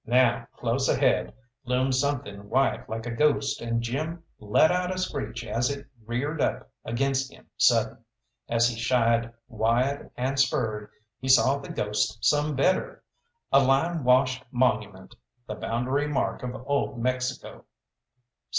Now close ahead loomed something white like a ghost, and Jim let out a screech as it reared up against him sudden. As he shied wide and spurred, he saw the ghost some better a limewashed monument, the boundary mark of old Mexico.